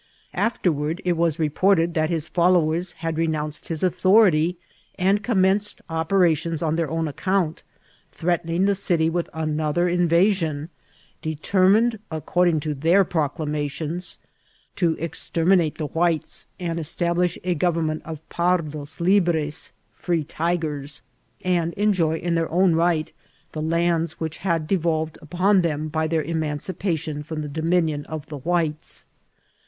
Afterward it was reported that his fcdlowers had renounced his auth<Hrity and com menced operations on their own account, threatening the city with another invasion, determined, according lo their proclamations, to exterminate the whites and es tablish a government of pardos libres, ^^ fr^e tigers," and enjoy in their own right the lands which had devolved upon them by their emancipation from the dominion of the whites.